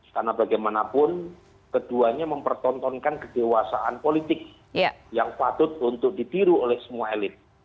karena bagaimanapun keduanya mempertontonkan kedewasaan politik yang patut untuk ditiru oleh semua elit